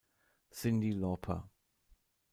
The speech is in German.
Cindy Lauper